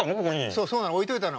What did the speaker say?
そうそうなの置いといたの。